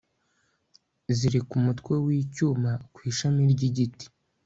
zirika umutwe w'icyuma ku ishami ry'igiti